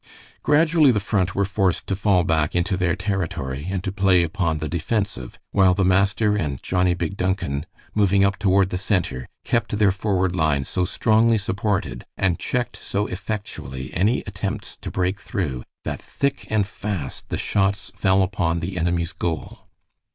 Gradually the Front were forced to fall back into their territory, and to play upon the defensive, while the master and Johnnie Big Duncan, moving up toward the center, kept their forward line so strongly supported, and checked so effectually any attempts to break through, that thick and fast the shots fell upon the enemy's goal.